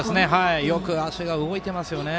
よく足が動いていますね。